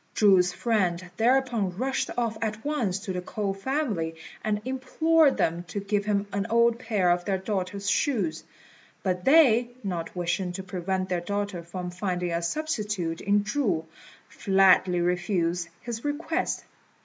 Chu's friend thereupon rushed off at once to the K'ou family, and implored them to give him an old pair of their daughter's shoes; but they, not wishing to prevent their daughter from finding a substitute in Chu, flatly refused his request.